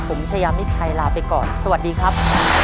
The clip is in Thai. ผมชายามิดชัยลาไปก่อนสวัสดีครับ